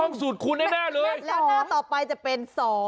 สูตรคุณแน่เลยแล้วหน้าต่อไปจะเป็น๒